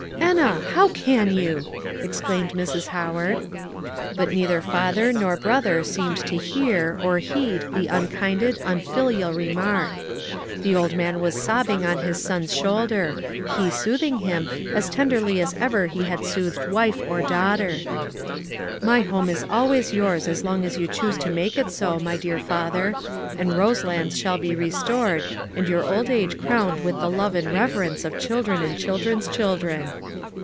"Enna, how can you!" exclaimed Mrs. Howard. But neither father nor brother seemed to hear, or heed the unkind, unfilial remark. The old man was sobbing on his son's shoulder; he soothing him as tenderly as ever he had soothed wife or daughter. "My home is yours as long as you choose to make it so, my dear father; and Roselands shall be restored, and your old age crowned with the love and reverence of children and children's children."